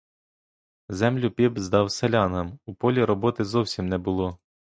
Землю піп здав селянам, — у полі роботи зовсім не було.